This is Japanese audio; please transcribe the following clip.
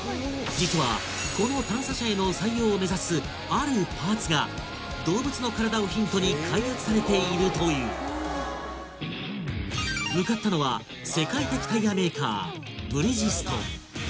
実はこの探査車への採用を目指す「あるパーツ」が動物のカラダをヒントに開発されているという向かったのは世界的タイヤメーカー「ブリヂストン」